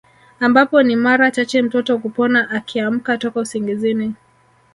Ambapo ni mara chache mtoto kupona akiamka toka usingizini